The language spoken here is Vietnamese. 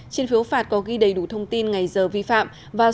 trên phiếu phạt có ghi đầy đủ thông tin ngày giờ vi phạm